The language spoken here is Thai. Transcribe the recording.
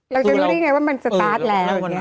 เราจะรู้ได้ไงว่ามันสตาร์ทแล้ว